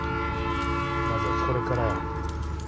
まずはこれからや。